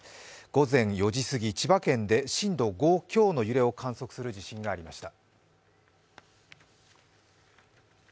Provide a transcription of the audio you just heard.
午前４時過ぎ千葉県で震度５強の揺れを観測する地震がありました。